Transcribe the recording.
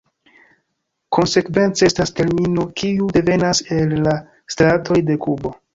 Konsekvence estas termino, kiu devenas el la stratoj de Kubo.